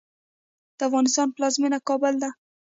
د افغانستان پلازمېنه کابل ده.